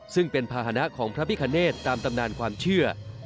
ซึ่งเป็นภาษณะของพระพิคเนตตามตำนานความเชื่อ